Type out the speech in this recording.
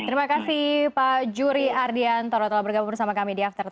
terima kasih pak juri ardian tolong tolong bergabung bersama kami di after sepuluh